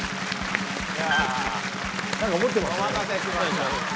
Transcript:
何か持ってますね。